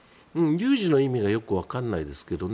有事の意味がよくわからないですけどね